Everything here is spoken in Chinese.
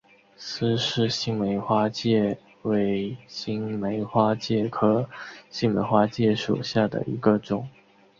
斯氏新梅花介为新梅花介科新梅花介属下的一个种。